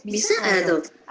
bisa atau enggak